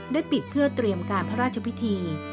ปิดเพื่อเตรียมการพระราชพิธี